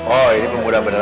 oh ini pemuda beneran